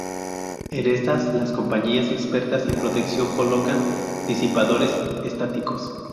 En estas, las compañías expertas en protección colocan Disipadores Estáticos.